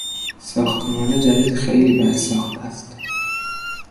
ساختمان جدید خیلی بد ساخت است.